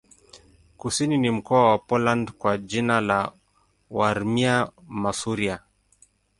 Kusini ni mkoa wa Poland kwa jina la Warmia-Masuria.